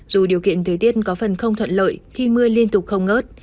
dù điều kiện thời tiết có phần không thuận lợi khi mưa liên tục không ngớt